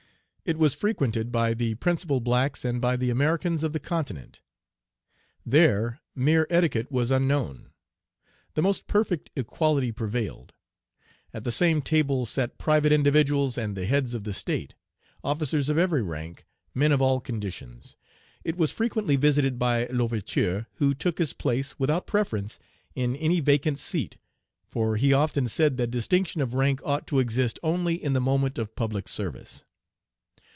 It was frequented by the principal blacks and by the Americans of the continent. There mere etiquette was Page 133 unknown; the most perfect equality prevailed. At the same table sat private individuals and the heads of the State, officers of every rank, men of all conditions. It was frequently visited by L'Ouverture, who took his place, without preference, in any vacant seat; for he often said that distinction of rank ought to exist only in the moment of public service.